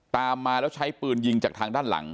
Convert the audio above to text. ตามมาแล้วใช้ปืนยิงจากทางด้านหลัง